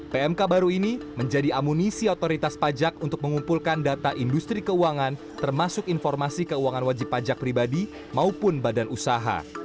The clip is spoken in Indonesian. pmk baru ini menjadi amunisi otoritas pajak untuk mengumpulkan data industri keuangan termasuk informasi keuangan wajib pajak pribadi maupun badan usaha